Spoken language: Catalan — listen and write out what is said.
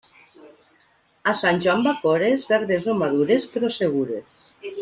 A sant Joan bacores, verdes o madures, però segures.